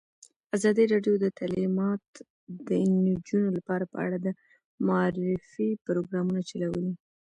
ازادي راډیو د تعلیمات د نجونو لپاره په اړه د معارفې پروګرامونه چلولي.